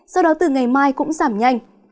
sau đó từ ngày mai cũng giảm nhanh